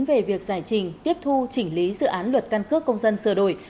về việc giải trình tiếp thu chỉnh lý dự án luật căn cước công dân sửa đổi